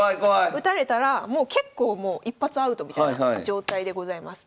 打たれたらもう結構もう一発アウトみたいな状態でございます。